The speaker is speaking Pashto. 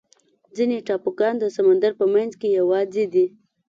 ځینې ټاپوګان د سمندر په منځ کې یوازې دي.